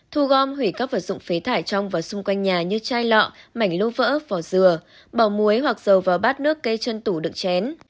thu gom hủy các vật dụng phế thải trong và xung quanh nhà như chai lọ mảnh lô vỡ vỏ dừa bỏ muối hoặc dầu vào bát nước cây chân tủ đựng chén